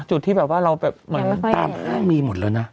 จุดที่แบบว่าเราเหมือนมันตามมีหมดแล้วนะ